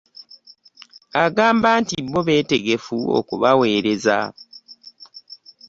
Agamba nti bo beetegefu okubaweereza.